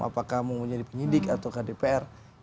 apakah mau menjadi penyidik atau dpr